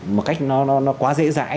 một cách nó quá dễ dãi